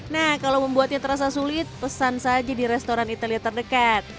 nah kalau membuatnya terasa sulit pesan saja di restoran italia terdekat